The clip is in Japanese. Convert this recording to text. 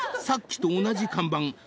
［さっきと同じ看板。